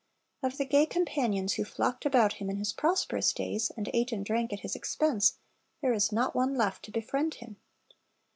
Of the gay companions who flocked about him in his prosperous days, and ate and drank at his expense, there is not one left to befriend him.